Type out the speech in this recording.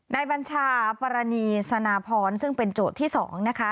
บัญชาปรณีสนาพรซึ่งเป็นโจทย์ที่๒นะคะ